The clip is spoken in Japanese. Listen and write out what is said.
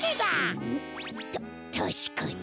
たたしかに。